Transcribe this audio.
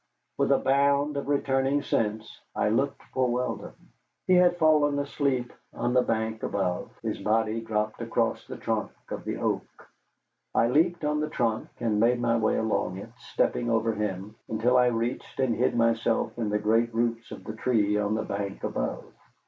With a bound of returning sense I looked for Weldon. He had fallen asleep on the bank above, his body dropped across the trunk of the oak. I leaped on the trunk and made my way along it, stepping over him, until I reached and hid myself in the great roots of the tree on the bank above.